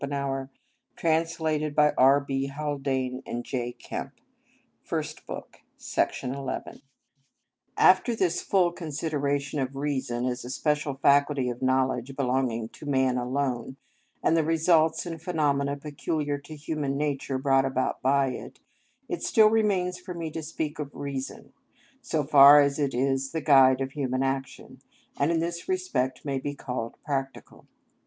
This problem itself can only become quite clear in being solved.(23) § 16. After this full consideration of reason as a special faculty of knowledge belonging to man alone, and the results and phenomena peculiar to human nature brought about by it, it still remains for me to speak of reason, so far as it is the guide of human action, and in this respect may be called practical.